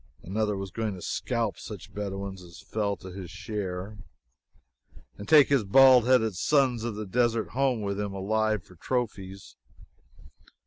Another was going to scalp such Bedouins as fell to his share, and take his bald headed sons of the desert home with him alive for trophies.